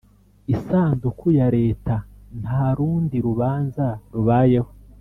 isanduku ya Leta nta rundi rubanza rubayeho